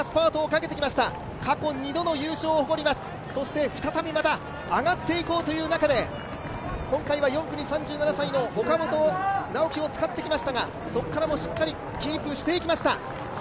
過去２度の優勝を誇ります、再びまた上がっていこうという中で今回は４区に３７歳の岡本直己を使ってきましたがそこからもしっかりキープしていきました。